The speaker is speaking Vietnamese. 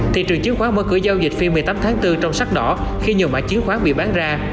thị trường chứng khoán mở cửa giao dịch phiên một mươi tám tháng bốn trong sắc đỏ khi nhiều mã chiến khoán bị bán ra